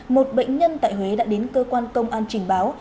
một bệnh nhân tại huế đã đến cơ quan công an trình báo